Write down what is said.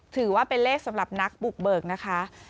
ถือว่าเป็นเลขสำหรับนักบุกเบิกนะคะ